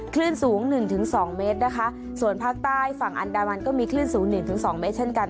คลื่นสูงหนึ่งถึงสองเมตรนะคะส่วนภาคใต้ฝั่งอันดามันก็มีคลื่นสูงหนึ่งถึงสองเมตรเช่นกัน